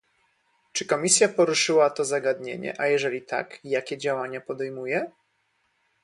Czy Komisja poruszyła to zagadnienie a jeżeli tak, jakie działania podejmuje?